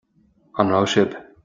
An raibh sibh